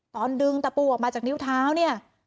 ตอนดึงตะปูออกมาจากนิ้วเท้าเนี่ย